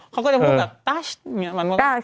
เขาก็จะพูดแบบต๊าส